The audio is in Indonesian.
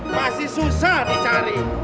pasti susah dicari